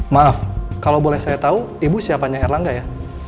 maaf kalau boleh saya tahu ibu siapanya erlangga ya